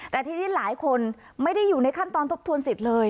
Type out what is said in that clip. แต่ทีนี้หลายคนไม่ได้อยู่ในขั้นตอนทบทวนสิทธิ์เลย